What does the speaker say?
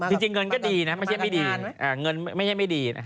ทีนี้เงินก็ดีนะไม่ใช่ไม่ดี